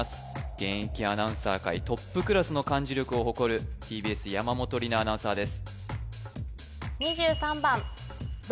現役アナウンサー界トップクラスの漢字力を誇るＴＢＳ山本里菜アナウンサーです